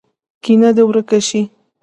کینه دې ورک شي.